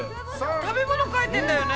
食べ物描いてんだよね？